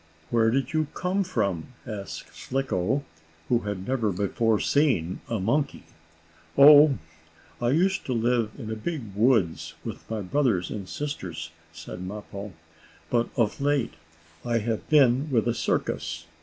"Where did you come from?" asked Slicko, who had never before seen a monkey. "Oh, I used to live in a big woods, with my brothers and sisters," said Mappo. "But, of late, I have been with a circus.